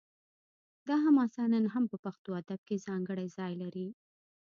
دا حماسه نن هم په پښتو ادب کې ځانګړی ځای لري